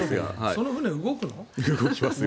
その船動くの？